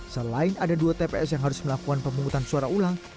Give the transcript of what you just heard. selain ada dua tps yang harus melakukan pemungutan suara ulang